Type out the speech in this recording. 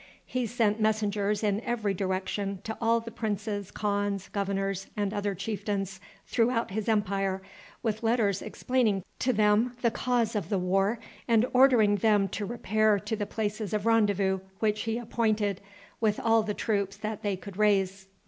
He sent messengers in every direction to all the princes, khans, governors, and other chieftains throughout his empire, with letters explaining to them the cause of the war, and ordering them to repair to the places of rendezvous which he appointed, with all the troops that they could raise.